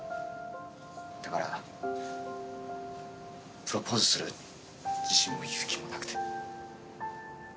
だからプロポーズする自信も勇気もなくて。